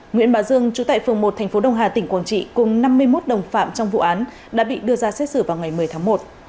nguyễn bà dương trú tại phường một tp đông hà tỉnh quảng trị cùng năm mươi một đồng phạm trong vụ án đã bị đưa ra xét xử vào ngày một mươi tháng một